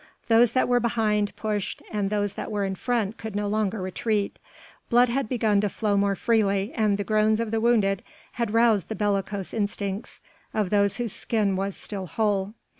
Those that were behind pushed and those that were in front could no longer retreat. Blood had begun to flow more freely and the groans of the wounded had roused the bellicose instincts of those whose skin was still whole.